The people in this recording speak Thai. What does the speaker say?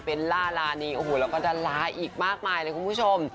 เป็นล่ารานีโอ้โหแล้วก็ดาราอีกมากมายเลยคุณผู้ชม